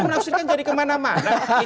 menaksudkan jadi kemana mana